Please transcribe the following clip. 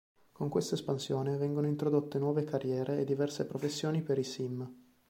Con questa espansione vengono introdotte nuove carriere e diverse professioni per i Sim.